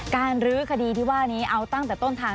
รื้อคดีที่ว่านี้เอาตั้งแต่ต้นทาง